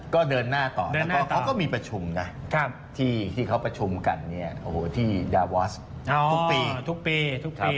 ก็เดินหน้าต่อแล้วก็เขาก็มีประชุมนะที่เขาประชุมกันเนี่ยที่ยาวอสทุกปี